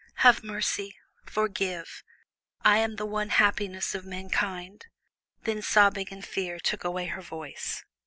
Have mercy, forgive; I am the one happiness of mankind." Then sobbing and fear took away her voice.